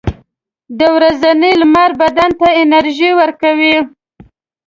• د ورځې لمر بدن ته انرژي ورکوي.